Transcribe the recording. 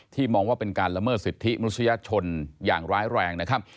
มองว่าเป็นการละเมิดสิทธิมนุษยชนอย่างร้ายแรงนะครับ